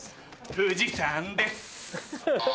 富士山です